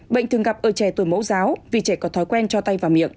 bệnh thường gặp ở trẻ tuổi mẫu giáo vì trẻ có thói quen cho tay vào miệng